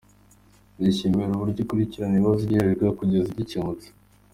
Ndayishimira uburyo ikurikirana ikibazo igejejweho kugeza gikemutse."